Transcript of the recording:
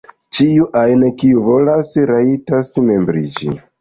Ĉiu ajn kiu volas, rajtas membriĝi.